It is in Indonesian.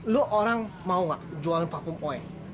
lo orang mau nggak jualan parfum oe